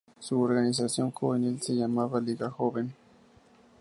Su organización juvenil se llamaba Liga Joven.